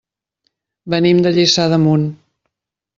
Venim de Lliçà d'Amunt.